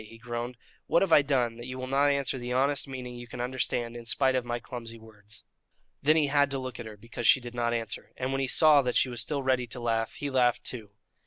he groaned. "What have I done that you will not answer the honest meaning you can understand in spite of my clumsy words?" Then he had to look at her because she did not answer, and when he saw that she was still ready to laugh, he laughed, too.